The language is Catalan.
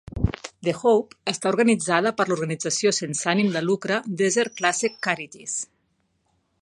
"The Hope" està organitzada per l'organització sense ànim de lucre Desert Classic Charities.